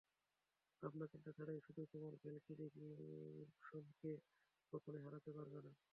ভাবনা-চিন্তা ছাড়াই শুধু তোমার ভেলকি দেখিয়ে ওরসনকে কখনোই হারাতে পারবে না।